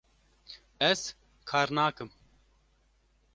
Ez kar nakim